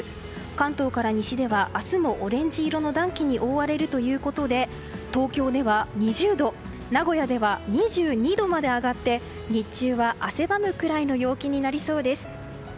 関東から西では明日もオレンジ色の暖気に覆われるということで東京では２０度名古屋では２２度まで上がって日中は汗ばむくらいの陽気になりそうです。